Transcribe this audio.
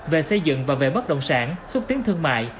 về xây dựng và về bất động sản xuất tiến thương mại